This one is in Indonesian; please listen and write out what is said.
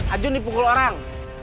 ajun dipukul orang